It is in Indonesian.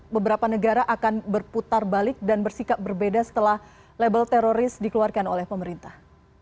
beberapa negara akan berputar balik dan bersikap berbeda setelah label teroris dikeluarkan oleh pemerintah